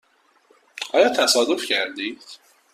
آیا تصادف کرده اید؟